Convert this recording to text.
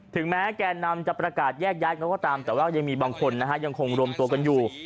ถึงแม้แก่นำจะประกาศแยกย้ายเขาก็ตามแต่ว่ายังมีบางคนนะฮะยังคงรวมตัวกันอยู่